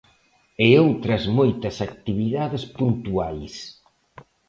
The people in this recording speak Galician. E outras moitas actividades puntuais.